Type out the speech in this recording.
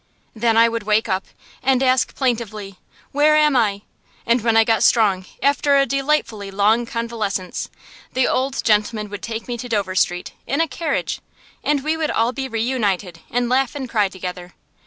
Then I would wake up, and ask plaintively, "Where am I?" And when I got strong, after a delightfully long convalescence, the old gentleman would take me to Dover Street in a carriage! and we would all be reunited, and laugh and cry together.